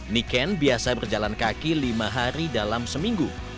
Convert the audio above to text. niken biasa berjalan kaki lima hari dalam seminggu